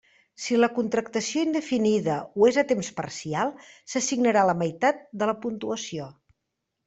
Si la contractació indefinida ho és a temps parcial, s'assignarà la meitat de la puntuació.